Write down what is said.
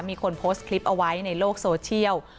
มีคนโพสต์คลิปเอาไว้ในโลกโซเชียล